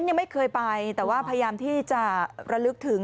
ยังไม่เคยไปแต่ว่าพยายามที่จะระลึกถึง